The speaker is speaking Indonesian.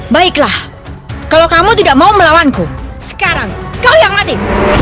baiklah kalau kamu tidak mau melawanku sekarang kau yang mati